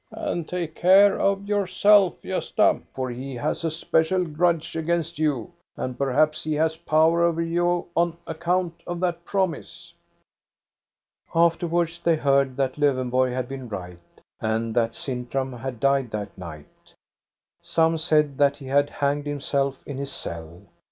And take care of yourself, Gosta, for he has a special grudge against you, and perhaps he has power over you on account of that promise." Afterwards they heard that Lowenborg had been right, and that Sintram had died that night. Some said that he had hanged himself in his cell.